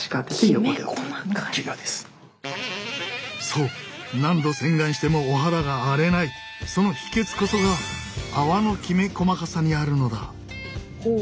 そう何度洗顔してもお肌が荒れないその秘けつこそが泡のきめ細かさにあるのだ。